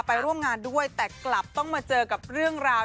ไปร่วมงานด้วยแต่กลับต้องมาเจอกับเรื่องราว